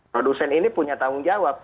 produsen ini punya tanggung jawab